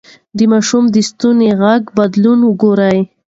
د ماشوم د ستوني غږ بدلون وګورئ.